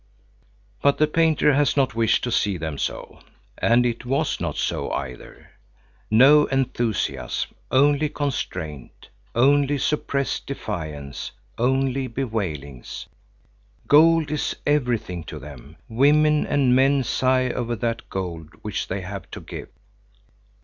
But the painter has not wished to see them so, and it was not so either. No enthusiasm, only constraint, only suppressed defiance, only bewailings. Gold is everything to them, women and men sigh over that gold which they have to give.